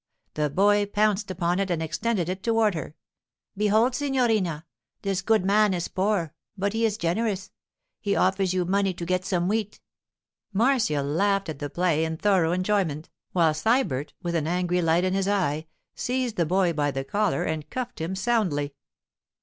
The boy pounced upon it and extended it toward her. 'Behold, signorina! This good man is poor, but he is generous. He offers you money to get some wheat.' Marcia laughed at the play in thorough enjoyment, while Sybert, with an angry light in his eye, seized the boy by the collar and cuffed him soundly.